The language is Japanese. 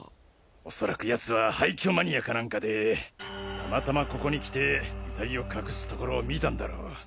おそらく奴は廃墟マニアかなんかでたまたまここに来て遺体を隠すところを見たんだろう。